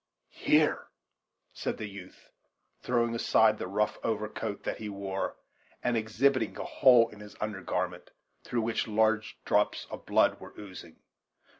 "Here," said the youth, throwing aside the rough overcoat that he wore, and exhibiting a hole in his under garment, through which large drops of blood were oozing.